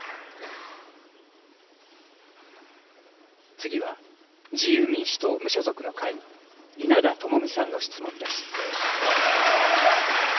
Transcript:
次は自由民主党・無所属の会、稲田朋美さんの質問です。